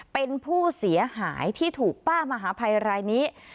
เป็นผู้เสียหายที่ถูกป้ามหาภัยรายนี้